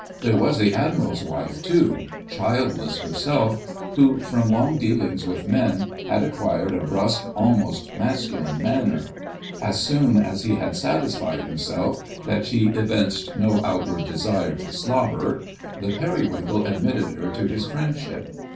There was the Admiral's wife too—childless herself—who, from long dealings with men, had acquired a brusque, almost masculine manner. As soon as he had satisfied himself that she evinced no outward desire to "slobber," the Periwinkle admitted her to his friendship.